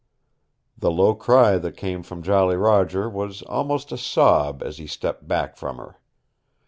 The low cry that came from Jolly Roger was almost a sob as he stepped back from her.